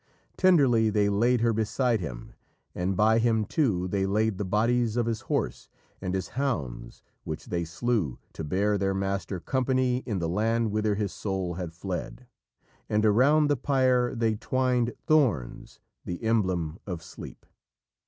Tenderly they laid her beside him, and by him, too, they laid the bodies of his horse and his hounds, which they slew to bear their master company in the land whither his soul had fled; and around the pyre they twined thorns, the emblem of sleep.